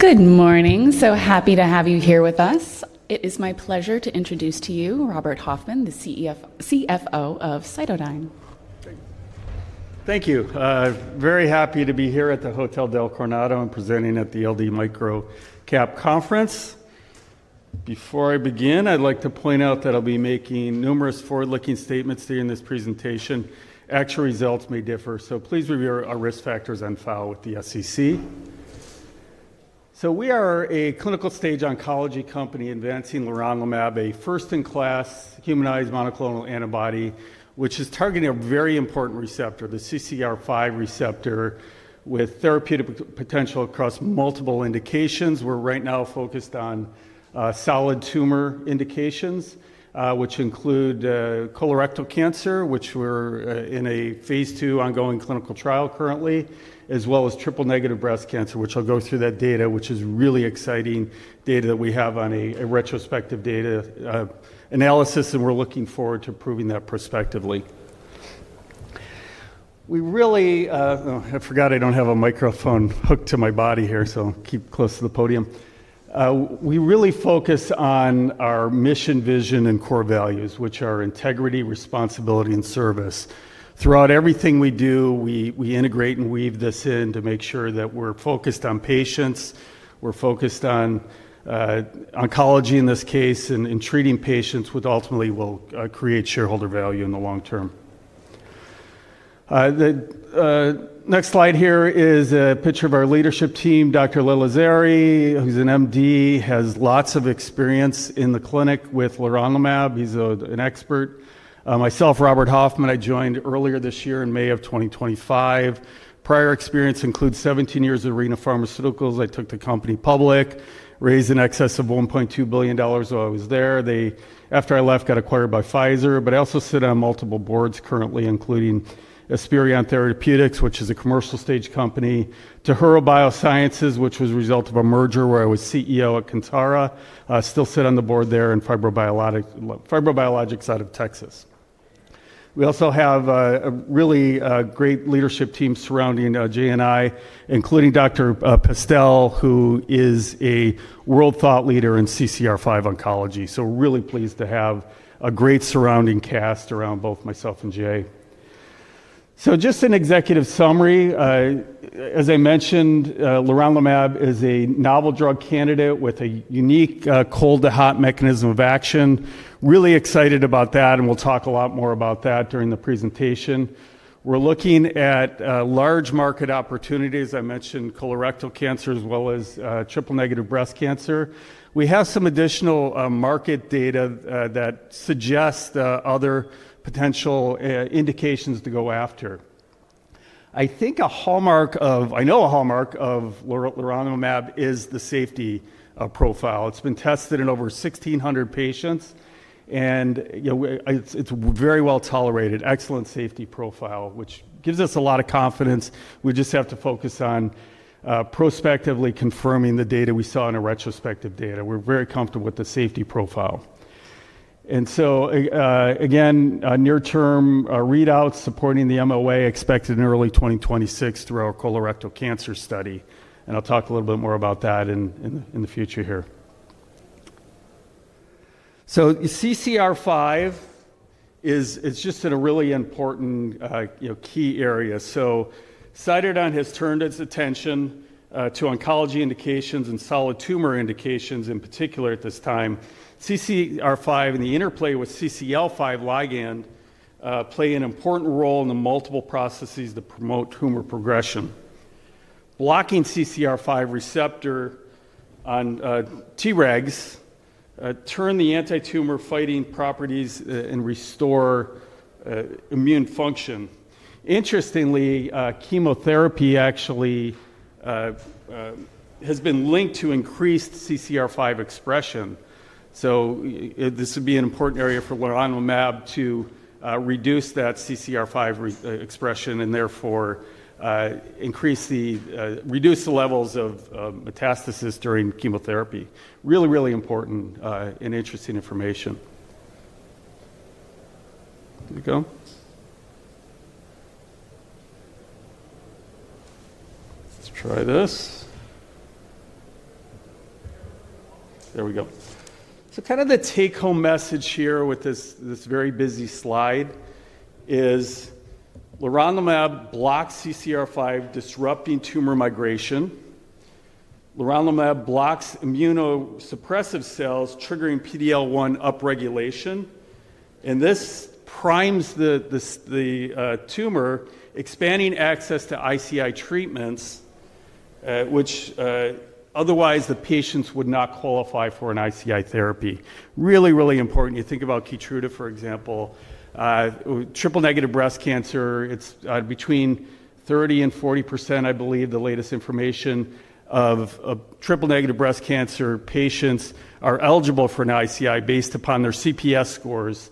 Good morning. So happy to have you here with us. It is my pleasure to introduce to you Robert Hoffman, the CFO of CytoDyn. Thank you. Very happy to be here at the Hotel del Coronado and presenting at the LD Micro Cap Conference. Before I begin, I'd like to point out that I'll be making numerous forward-looking statements during this presentation. Actual results may differ, so please review our risk factors on file with the FDA. We are a clinical stage oncology company advancing lorazumab, a first-in-class humanized monoclonal antibody, which is targeting a very important receptor, the CCR5 receptor, with therapeutic potential across multiple indications. We're right now focused on solid tumor indications, which include colorectal cancer, which we're in a phase two ongoing clinical trial currently, as well as triple-negative breast cancer, which I'll go through that data, which is really exciting data that we have on a retrospective data analysis, and we're looking forward to proving that prospectively. I forgot I don't have a microphone hooked to my body here, so I'll keep close to the podium. We really focus on our mission, vision, and core values, which are integrity, responsibility, and service. Throughout everything we do, we integrate and weave this in to make sure that we're focused on patients, we're focused on oncology in this case, and treating patients which ultimately will create shareholder value in the long term. The next slide here is a picture of our leadership team. Dr. Lilazeri, who's an MD, has lots of experience in the clinic with lorazumab. He's an expert. Myself, Robert Hoffman, I joined earlier this year in May of 2025. Prior experience includes 17 years at Arena Pharmaceuticals. I took the company public, raised in excess of $1.2 billion while I was there. They, after I left, got acquired by Pfizer, but I also sit on multiple boards currently, including Esperion Therapeutics, which is a commercial stage company, TuHURA Biosciences, which was a result of a merger where I was CEO at Kantara. I still sit on the board there in the fibrobiologic side of Texas. We also have a really great leadership team surrounding Jay and I, including Dr. Pastel, who is a world thought leader in CCR5 oncology. We're really pleased to have a great surrounding cast around both myself and Jay. Just an executive summary. As I mentioned, lorazumab is a novel drug candidate with a unique cold-to-hot mechanism of action. Really excited about that, and we'll talk a lot more about that during the presentation. We're looking at large market opportunities. I mentioned colorectal cancer as well as triple-negative breast cancer. We have some additional market data that suggests other potential indications to go after. I think a hallmark of, I know a hallmark of lorazumab is the safety profile. It's been tested in over 1,600 patients, and it's very well tolerated. Excellent safety profile, which gives us a lot of confidence. We just have to focus on prospectively confirming the data we saw in our retrospective data. We're very comfortable with the safety profile. Again, near-term readouts supporting the MOA expected in early 2026 through our colorectal cancer study. I'll talk a little bit more about that in the future here. CCR5 is just in a really important key area. CytoDyn has turned its attention to oncology indications and solid tumor indications in particular at this time. CCR5 and the interplay with CCL5 ligand play an important role in the multiple processes that promote tumor progression. Blocking CCR5 receptor on Tregs turns the anti-tumor fighting properties and restores immune function. Interestingly, chemotherapy actually has been linked to increased CCR5 expression. This would be an important area for lorazumab to reduce that CCR5 expression and therefore reduce the levels of metastasis during chemotherapy. Really, really important and interesting information. There we go. Let's try this. There we go. The take-home message here with this very busy slide is lorazumab blocks CCR5, disrupting tumor migration. Lorazumab blocks immunosuppressive cells, triggering PD-L1 upregulation. This primes the tumor, expanding access to ICI treatments, which otherwise the patients would not qualify for an ICI therapy. Really, really important. You think about Keytruda, for example. Triple-negative breast cancer, it's between 30%-40%, I believe the latest information of triple-negative breast cancer patients are eligible for an ICI based upon their CPS scores.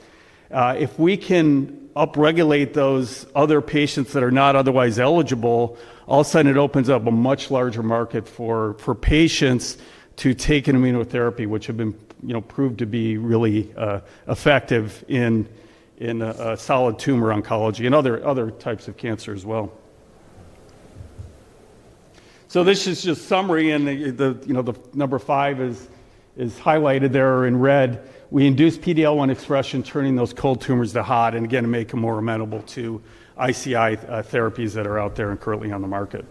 If we can upregulate those other patients that are not otherwise eligible, all of a sudden it opens up a much larger market for patients to take an immunotherapy, which have been proved to be really effective in solid tumor oncology and other types of cancer as well. This is just a summary, and the number five is highlighted there in red. We induce PD-L1 expression, turning those cold tumors to hot, and again, make them more amenable to ICI therapies that are out there and currently on the market.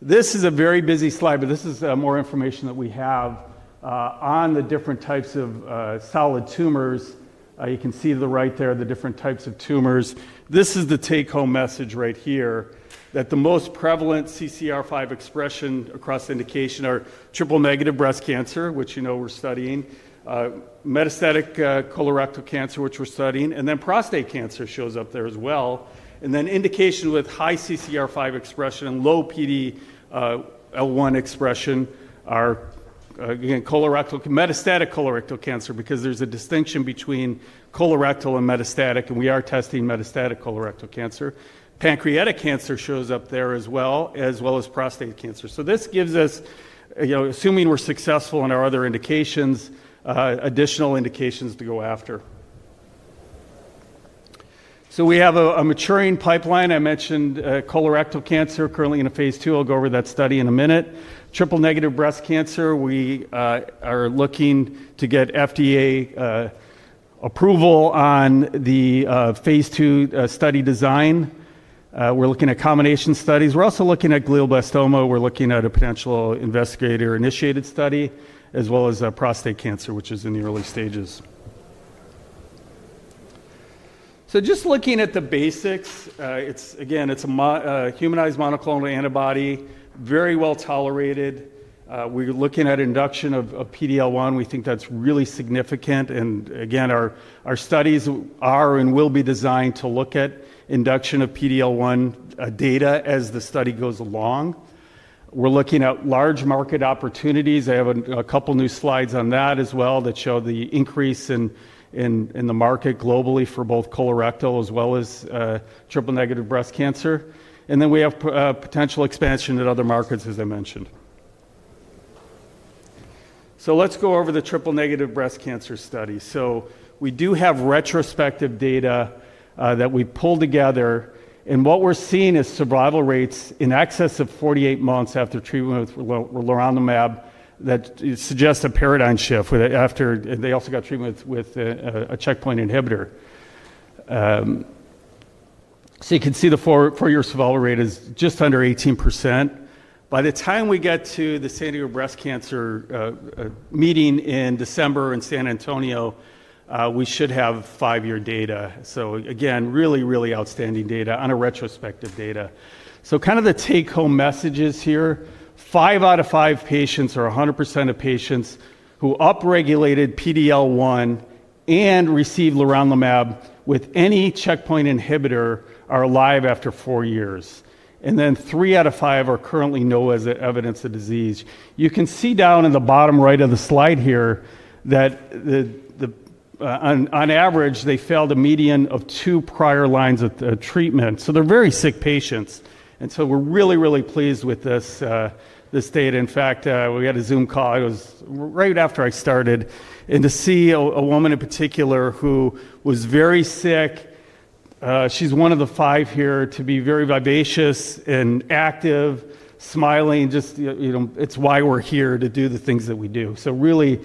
This is a very busy slide, but this is more information that we have on the different types of solid tumors. You can see to the right there the different types of tumors. This is the take-home message right here that the most prevalent CCR5 expression across indication are triple-negative breast cancer, which you know we're studying, metastatic colorectal cancer, which we're studying, and then prostate cancer shows up there as well. Indication with high CCR5 expression and low PD-L1 expression are metastatic colorectal cancer because there's a distinction between colorectal and metastatic, and we are testing metastatic colorectal cancer. Pancreatic cancer shows up there as well, as well as prostate cancer. This gives us, assuming we're successful in our other indications, additional indications to go after. We have a maturing pipeline. I mentioned colorectal cancer currently in a phase two. I'll go over that study in a minute. Triple-negative breast cancer, we are looking to get FDA approval on the phase two study design. We're looking at combination studies. We're also looking at glioblastoma. We're looking at a potential investigator-initiated study, as well as prostate cancer, which is in the early stages. Just looking at the basics, again, it's a humanized monoclonal antibody, very well tolerated. We're looking at induction of PD-L1. We think that's really significant. Again, our studies are and will be designed to look at induction of PD-L1 data as the study goes along. We're looking at large market opportunities. I have a couple new slides on that as well that show the increase in the market globally for both colorectal as well as triple-negative breast cancer. We have potential expansion in other markets, as I mentioned. Let's go over the triple-negative breast cancer study. We do have retrospective data that we pulled together. What we're seeing is survival rates in excess of 48 months after treatment with lorazumab that suggest a paradigm shift after they also got treatment with a checkpoint inhibitor. You can see the four-year survival rate is just under 18%. By the time we get to the San Antonio Breast Cancer meeting in December in San Antonio, we should have five-year data. Again, really, really outstanding data on a retrospective data. The take-home messages here: five out of five patients, or 100% of patients who upregulated PD-L1 and received lorazumab with any checkpoint inhibitor, are alive after four years. Three out of five are currently no evidence of disease. You can see down in the bottom right of the slide here that, on average, they failed a median of two prior lines of treatment. They're very sick patients, and we're really, really pleased with this data. In fact, we had a Zoom call. It was right after I started, and to see a woman in particular who was very sick—she's one of the five here—be very vivacious and active, smiling, just, you know, it's why we're here to do the things that we do. It really,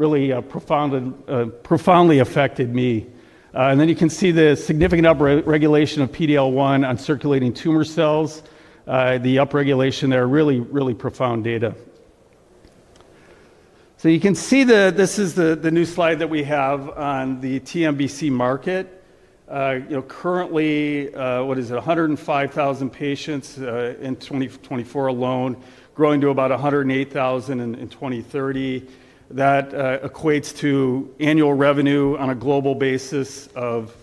really profoundly affected me. You can see the significant upregulation of PD-L1 on circulating tumor cells. The upregulation there, really, really profound data. This is the new slide that we have on the TNBC market. Currently, what is it, 105,000 patients in 2024 alone, growing to about 108,000 in 2030. That equates to annual revenue on a global basis of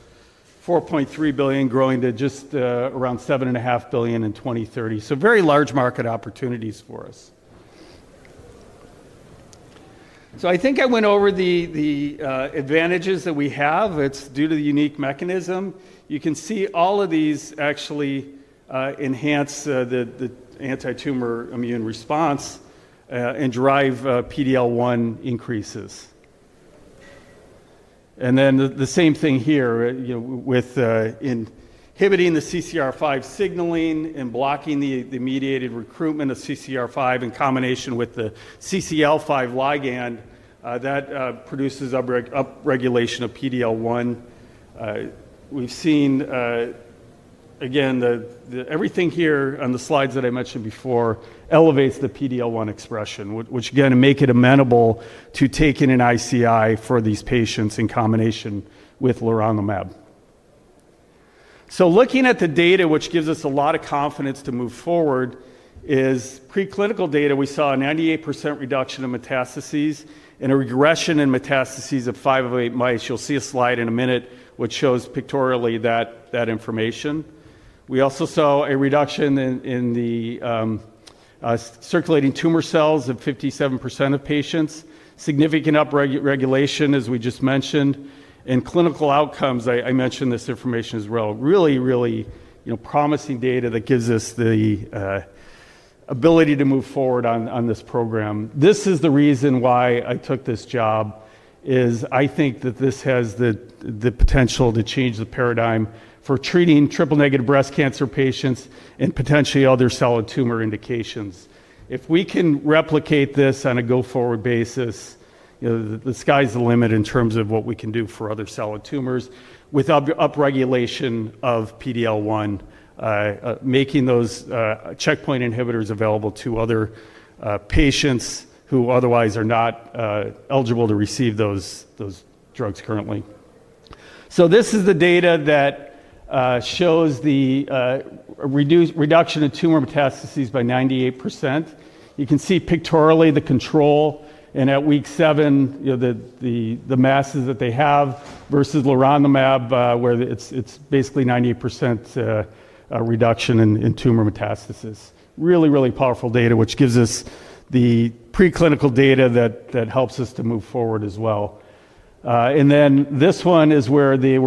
$4.3 billion, growing to just around $7.5 billion in 2030. Very large market opportunities for us. I think I went over the advantages that we have. It's due to the unique mechanism. You can see all of these actually enhance the anti-tumor immune response and drive PD-L1 increases. The same thing here, with inhibiting the CCR5 signaling and blocking the mediated recruitment of CCR5 in combination with the CCL5 ligand that produces upregulation of PD-L1. We've seen, again, everything here on the slides that I mentioned before elevates the PD-L1 expression, which again makes it amenable to taking an ICI for these patients in combination with lorazumab. Looking at the data, which gives us a lot of confidence to move forward, is preclinical data. We saw a 98% reduction in metastases and a regression in metastases of five of eight mice. You'll see a slide in a minute which shows pictorially that information. We also saw a reduction in the circulating tumor cells of 57% of patients, significant upregulation, as we just mentioned, and clinical outcomes. I mentioned this information as well. Really, really promising data that gives us the ability to move forward on this program. This is the reason why I took this job, is I think that this has the potential to change the paradigm for treating triple-negative breast cancer patients and potentially other solid tumor indications. If we can replicate this on a go-forward basis, the sky's the limit in terms of what we can do for other solid tumors with upregulation of PD-L1, making those checkpoint inhibitors available to other patients who otherwise are not eligible to receive those drugs currently. This is the data that shows the reduction in tumor metastases by 98%. You can see pictorially the control, and at week seven, the masses that they have versus lorazumab, where it's basically 98% reduction in tumor metastases. Really, really powerful data, which gives us the preclinical data that helps us to move forward as well. This one is where the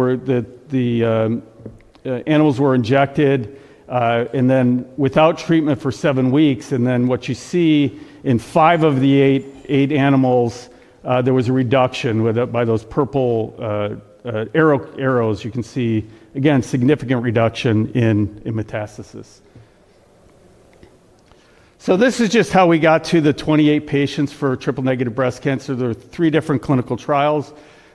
animals were injected, and then without treatment for seven weeks. What you see in five of the eight animals, there was a reduction by those purple arrows. You can see, again, significant reduction in metastasis. This is just how we got to the 28 patients for triple-negative breast cancer. There are three different clinical trials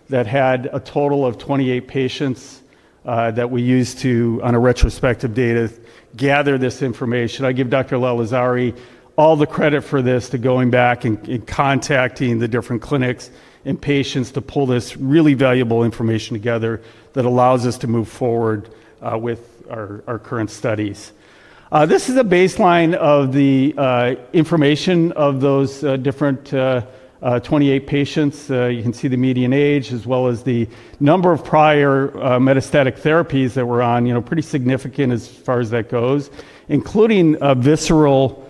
that had a total of 28 patients that we used to, on a retrospective analysis, gather this information. I give Dr. Lilazeri all the credit for this, going back and contacting the different clinics and patients to pull this really valuable information together that allows us to move forward with our current studies. This is a baseline of the information of those different 28 patients. You can see the median age as well as the number of prior metastatic therapies that were on, pretty significant as far as that goes, including visceral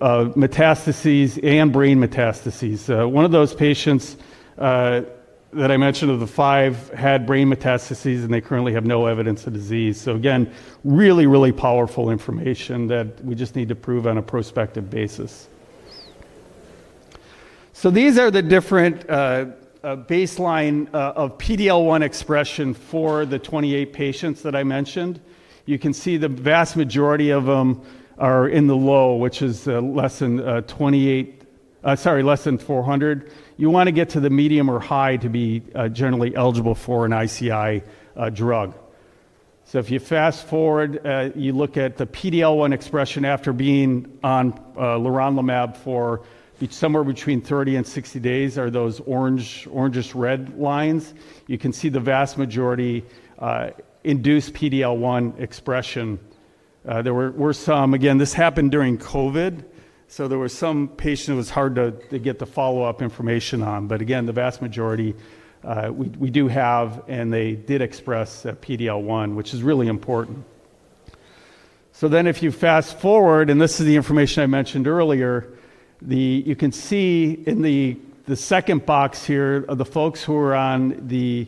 metastases and brain metastases. One of those patients that I mentioned of the five had brain metastases, and they currently have no evidence of disease. Really, really powerful information that we just need to prove on a prospective basis. These are the different baseline PD-L1 expression levels for the 28 patients that I mentioned. You can see the vast majority of them are in the low, which is less than 400. You want to get to the medium or high to be generally eligible for an ICI drug. If you fast forward, you look at the PD-L1 expression after being on lorazumab for somewhere between 30-60 days, those are the orangish-red lines. You can see the vast majority induce PD-L1 expression. There were some, again, this happened during COVID, so there were some patients it was hard to get the follow-up information on. Again, the vast majority we do have, and they did express PD-L1, which is really important. If you fast forward, and this is the information I mentioned earlier, you can see in the second box here, the folks who are on the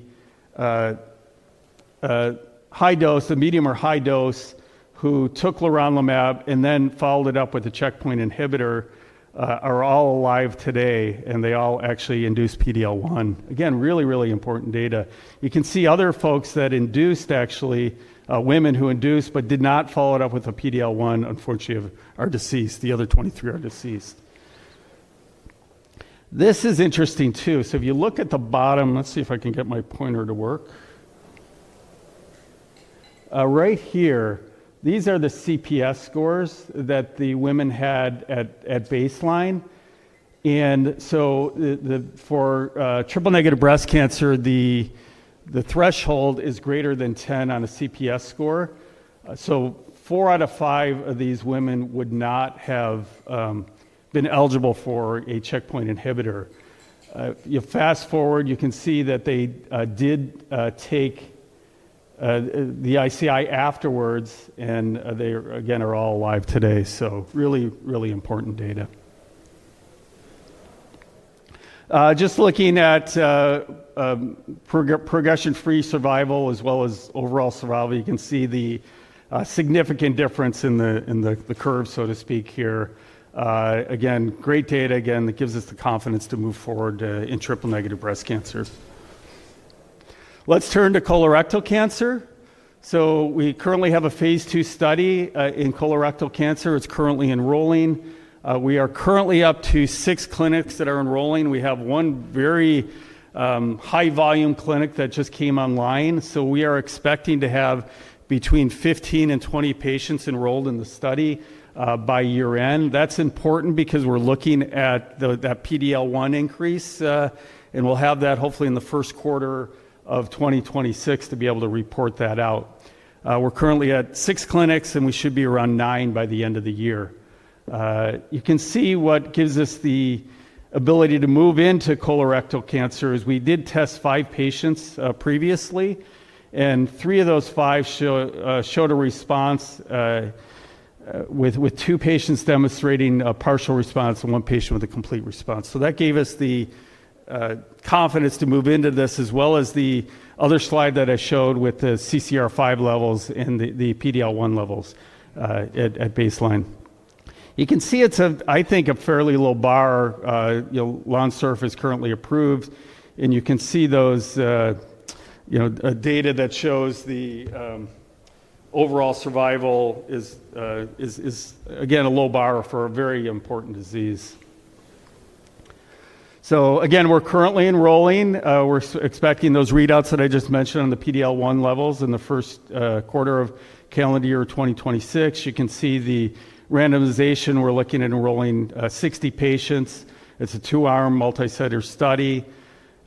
high dose, the medium or high dose, who took lorazumab and then followed it up with a checkpoint inhibitor are all alive today, and they all actually induce PD-L1. Again, really, really important data. You can see other folks that induced, actually, women who induced but did not follow it up with a PD-L1, unfortunately, are deceased. The other 23 are deceased. This is interesting too. If you look at the bottom, let's see if I can get my pointer to work. Right here, these are the CPS scores that the women had at baseline. For triple-negative breast cancer, the threshold is greater than 10 on a CPS score. Four out of five of these women would not have been eligible for a checkpoint inhibitor. You fast forward, you can see that they did take the ICI afterwards, and they again are all alive today. Really, really important data. Just looking at progression-free survival as well as overall survival, you can see the significant difference in the curve, so to speak here. Again, great data, again, that gives us the confidence to move forward in triple-negative breast cancers. Let's turn to colorectal cancer. We currently have a phase two study in colorectal cancer. It's currently enrolling. We are currently up to six clinics that are enrolling. We have one very high-volume clinic that just came online. We are expecting to have between 15-20 patients enrolled in the study by year-end. That's important because we're looking at that PD-L1 increase, and we'll have that hopefully in the first quarter of 2026 to be able to report that out. We're currently at six clinics, and we should be around nine by the end of the year. You can see what gives us the ability to move into colorectal cancer is we did test five patients previously, and three of those five showed a response with two patients demonstrating a partial response and one patient with a complete response. That gave us the confidence to move into this as well as the other slide that I showed with the CCR5 levels and the PD-L1 levels at baseline. You can see it's a, I think, a fairly low bar. Lonsurf is currently approved, and you can see those data that shows the overall survival is, again, a low bar for a very important disease. We're currently enrolling. We're expecting those readouts that I just mentioned on the PD-L1 levels in the first quarter of calendar year 2026. You can see the randomization. We're looking at enrolling 60 patients. It's a two-hour multisector study.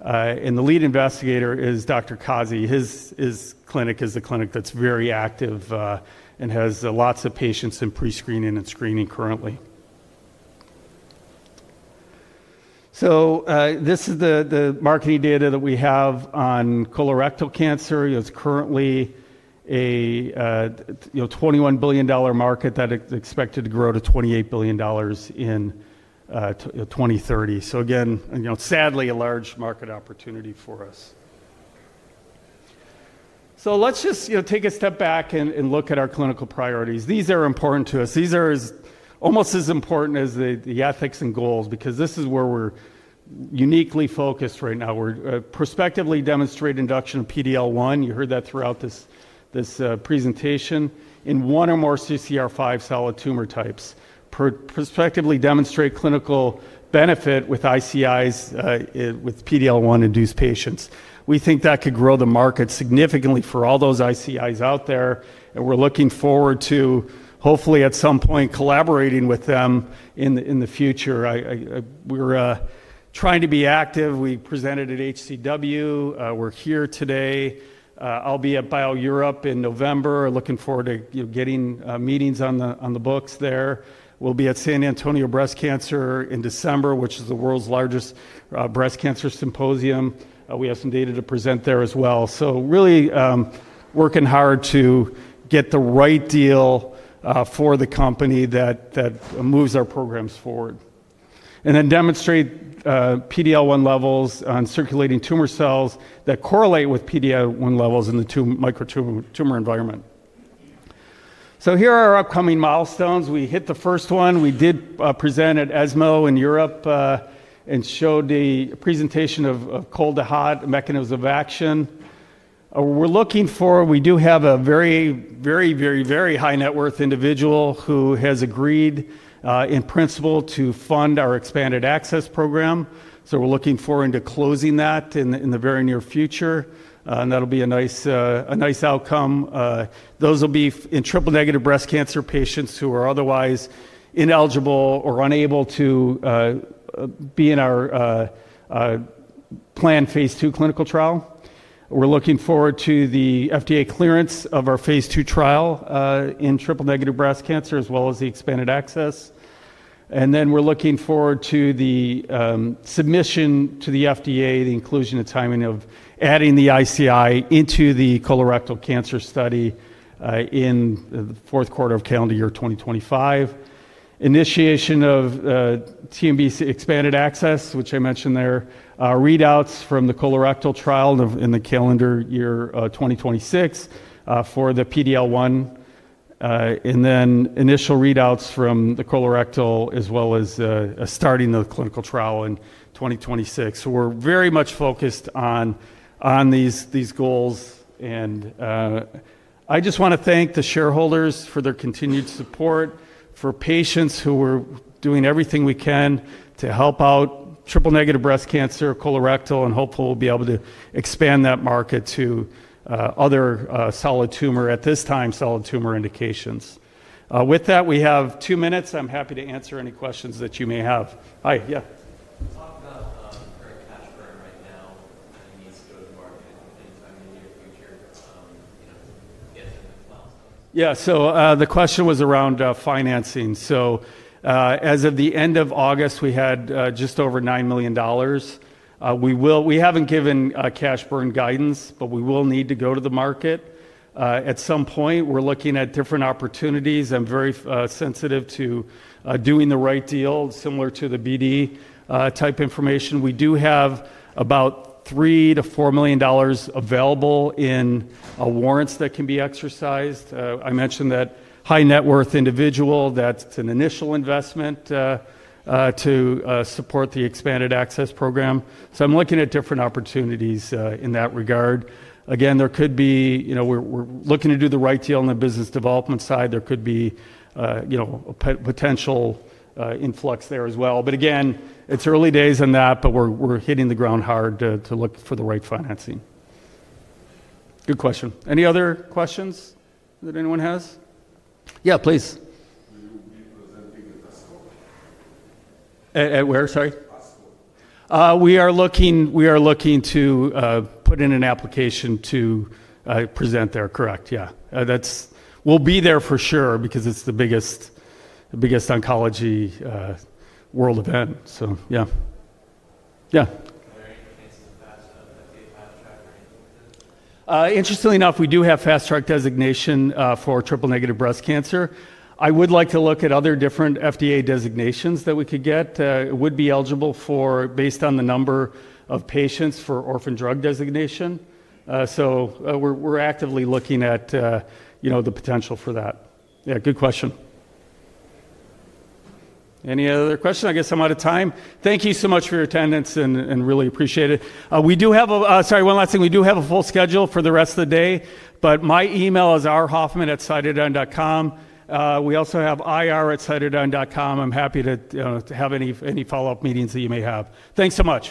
The lead investigator is Dr. Kazi. His clinic is a clinic that's very active and has lots of patients in prescreening and screening currently. This is the marketing data that we have on colorectal cancer. It's currently a $21 billion market that is expected to grow to $28 billion in 2030. Sadly, a large market opportunity for us. Let's just take a step back and look at our clinical priorities. These are important to us. These are almost as important as the ethics and goals because this is where we're uniquely focused right now. We're prospectively demonstrating induction of PD-L1. You heard that throughout this presentation in one or more CCR5 solid tumor types. Prospectively demonstrate clinical benefit with ICIs with PD-L1 induced patients. We think that could grow the market significantly for all those ICIs out there. We're looking forward to hopefully at some point collaborating with them in the future. We're trying to be active. We presented at HCW. We're here today. I'll be at BioEurope in November. Looking forward to getting meetings on the books there. We'll be at San Antonio Breast Cancer in December, which is the world's largest breast cancer symposium. We have some data to present there as well. Really working hard to get the right deal for the company that moves our programs forward. Then demonstrate PD-L1 levels on circulating tumor cells that correlate with PD-L1 levels in the microtumor environment. Here are our upcoming milestones. We hit the first one. We did present at ESMO in Europe and showed the presentation of cold-to-hot mechanisms of action. We're looking for, we do have a very, very, very, very high net worth individual who has agreed in principle to fund our expanded access program. We're looking forward to closing that in the very near future. That'll be a nice outcome. Those will be in triple-negative breast cancer patients who are otherwise ineligible or unable to be in our planned phase two clinical trial. We're looking forward to the FDA clearance of our phase two trial in triple-negative breast cancer as well as the expanded access. We're looking forward to the submission to the FDA, the inclusion and timing of adding the ICI into the colorectal cancer study in the fourth quarter of calendar year 2025. Initiation of TNBC expanded access, which I mentioned there, readouts from the colorectal trial in the calendar year 2026 for the PD-L1, and initial readouts from the colorectal as well as starting the clinical trial in 2026. We're very much focused on these goals. I just want to thank the shareholders for their continued support, for patients who are doing everything we can to help out triple-negative breast cancer, colorectal, and hopefully we'll be able to expand that market to other solid tumor, at this time, solid tumor indications. With that, we have two minutes. I'm happy to answer any questions that you may have. Hi, yeah. Talk about Eric Ashburn right now. He needs to go to market in the near future. You know, he hasn't been cloud some. Yeah, so the question was around financing. As of the end of August, we had just over $9 million. We haven't given cash burn guidance, but we will need to go to the market at some point. We're looking at different opportunities. I'm very sensitive to doing the right deal, similar to the BD type information. We do have about $3 million-$4 million available in warrants that can be exercised. I mentioned that high net worth individual, that's an initial investment to support the expanded access program. I'm looking at different opportunities in that regard. There could be, you know, we're looking to do the right deal on the business development side. There could be a potential influx there as well. Again, it's early days on that, but we're hitting the ground hard to look for the right financing. Good question. Any other questions that anyone has? Yeah, please. Will you be presenting the task force? At where? Sorry. Task force. We are looking to put in an application to present there, correct, yeah. We'll be there for sure because it's the biggest oncology world event. Yeah. Are there any plans in the past of FDA Fast Track or anything like that? Interestingly enough, we do have Fast Track designation for triple-negative breast cancer. I would like to look at other different FDA designations that we could get. It would be eligible for, based on the number of patients, for orphan drug designation. We're actively looking at the potential for that. Yeah, good question. Any other question? I guess I'm out of time. Thank you so much for your attendance and really appreciate it. We do have a, sorry, one last thing. We do have a full schedule for the rest of the day, but my email is rhoffman@cytodyn.com. We also have ir@cytodyn.com. I'm happy to have any follow-up meetings that you may have. Thanks so much.